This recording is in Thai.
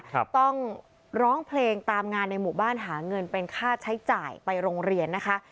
ต้องร้องเพลงตามงานในหมู่บ้านหาเงินเป็นค่าใช้จ่ายไปโรงเรียนนะคะ